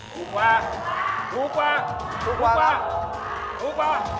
ถูกกว่าถูกกว่าถูกกว่าถูกกว่า